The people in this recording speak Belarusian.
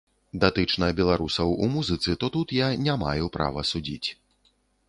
Датычна беларусаў у музыцы, то тут я не маю права судзіць.